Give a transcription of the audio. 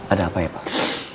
ada apa ya pak